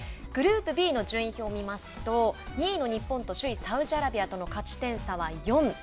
グループＢの順位表を見ますと２位の日本と首位サウジアラビアとの勝ち点差は４。